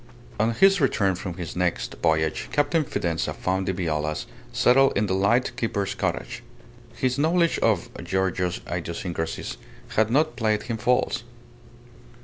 On his return from his next voyage, Captain Fidanza found the Violas settled in the light keeper's cottage. His knowledge of Giorgio's idiosyncrasies had not played him false.